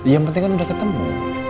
yang penting kan udah ketemu